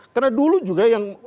karena dulu juga yang